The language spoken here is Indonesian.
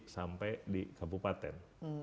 sampai di kabupaten